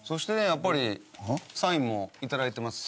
やっぱりサインも頂いてます。